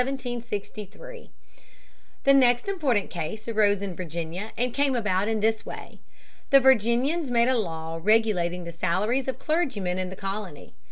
The Parson's Cause, 1763. The next important case arose in Virginia and came about in this way. The Virginians made a law regulating the salaries of clergymen in the colony.